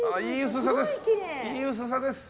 いい薄さです！